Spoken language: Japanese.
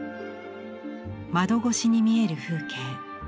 窓越しに見える風景。